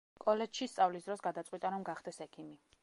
კოლეჯში სწავლის დროს გადაწყვიტა, რომ გახდეს ექიმი.